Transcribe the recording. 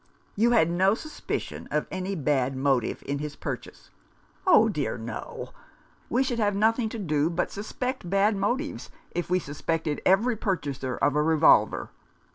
"You had no suspicion of any bad motive in his purchase ?" "Oh dear, no. We should have nothing to do but suspect bad motives if we suspected every purchaser of a revolver.